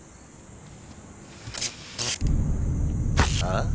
あっ？